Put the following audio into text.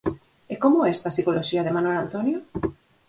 E como é esta psicoloxía de Manuel Antonio?